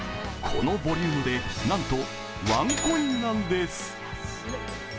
このボリュームで、なんとワンコインなんです。